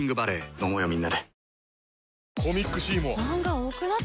飲もうよみんなで。